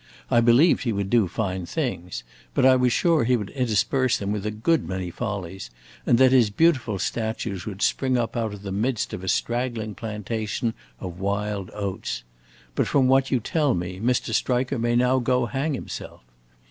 I believed he would do fine things, but I was sure he would intersperse them with a good many follies, and that his beautiful statues would spring up out of the midst of a straggling plantation of wild oats. But from what you tell me, Mr. Striker may now go hang himself.....